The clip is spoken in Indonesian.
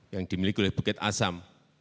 yang dimiliki oleh bukit asam